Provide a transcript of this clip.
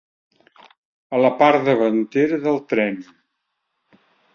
A la part davantera del tren.